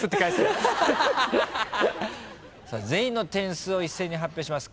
全員の点数を一斉に発表します。